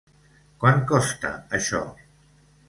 Quant costa això?